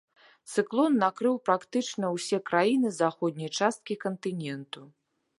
Цыклон накрыў практычна ўсе краіны заходняй часткі кантыненту.